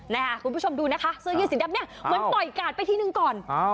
คุณผู้ชมดูนะคะเสื้อยืดสีดำเนี่ยเหมือนปล่อยกาดไปทีนึงก่อน